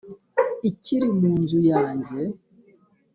ikiri mu nzu yanjye